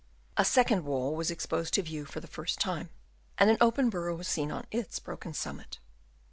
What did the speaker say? A second wall was exposed to view for the first time, and an open burrow was seen on its broken summit.